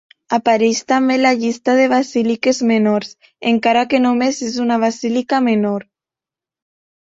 Apareix també a la llista de basíliques menors, encara que només és una basílica menor.